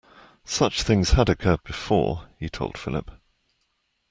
Such things had occurred before, he told Philip.